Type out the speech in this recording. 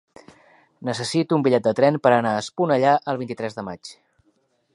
Necessito un bitllet de tren per anar a Esponellà el vint-i-tres de maig.